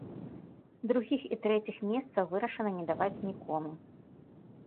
Другіх і трэціх месцаў вырашана не даваць нікому.